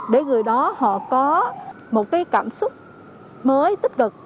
để người đó họ có một cái cảm xúc mới tích cực